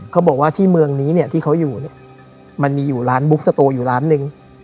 เขาบอกว่าที่เมืองนี้เนี่ยที่เขาอยู่เนี่ยมันมีอยู่ร้านบุ๊กตะโตอยู่ร้านหนึ่ง